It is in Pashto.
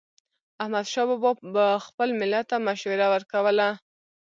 احمدشاه بابا به خپل ملت ته مشوره ورکوله.